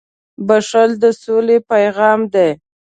• بښل د سولې پیغام دی.